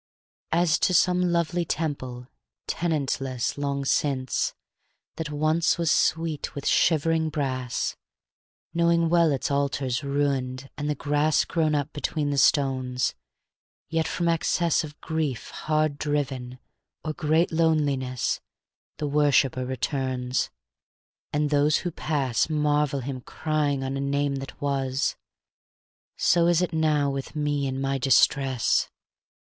XI As to some lovely temple, tenantless Long since, that once was sweet with shivering brass, Knowing well its altars ruined and the grass Grown up between the stones, yet from excess Of grief hard driven, or great loneliness, The worshiper returns, and those who pass Marvel him crying on a name that was, So is it now with me in my distress.